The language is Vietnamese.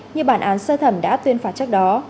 như bản án sơ thẩm đã tuyên phạt trước đó